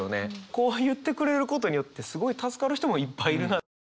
こう言ってくれることによってすごい助かる人もいっぱいいるなと思って。